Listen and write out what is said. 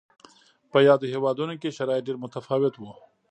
په یادو هېوادونو کې شرایط ډېر متفاوت و.